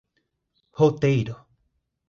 Roteiro